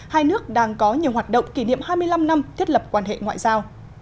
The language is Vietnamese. hai nước đang có nhiều hoạt động kỷ niệm hai mươi năm năm thiết lập quan hệ ngoại giao